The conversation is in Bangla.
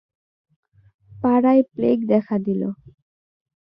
পাড়ায় প্লেগ দেখা দিল।